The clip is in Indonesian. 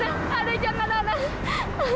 anak jangan anak